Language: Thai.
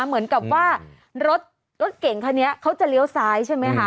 เหมือนกับว่ารถเก่งคันนี้เขาจะเลี้ยวซ้ายใช่ไหมคะ